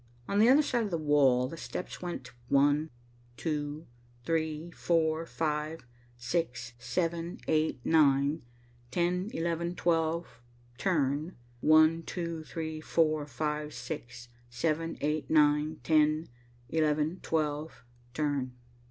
On the other side of the wall the steps went on, one, two, three, four, five, six, seven, eight, nine, ten, eleven, twelve, turn, one, two, three, four, five, six, seven, eight, nine, ten, eleven, twelve, turn.